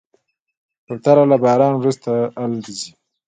کوتره له باران وروسته الوزي.